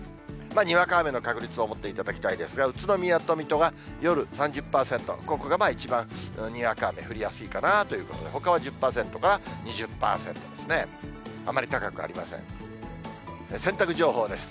にわか雨の確率と思っていただきたいですが、宇都宮と水戸が夜３０％、ここが一番にわか雨降りやすいかなということで、ほかは１０％から２０％ですね。